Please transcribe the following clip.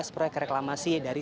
enam belas proyek reklamasi dari